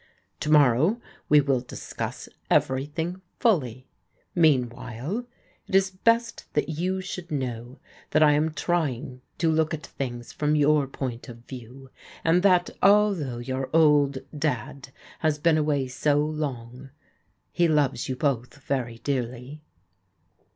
To morrow we will discuss everything fully* Meanwhile, it is best that you should know that I am try ing to look at things from your^point of view, and that although your old dad has been away so long, he foves you both very dearly.